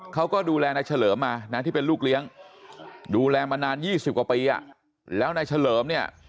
เขาก็ดูแลนายเฉลิมมานะที่เป็นลูกเลี้ยงดูแลมานาน๒๐กว่าปีอ่ะแล้วนายเฉลิมเนี่ย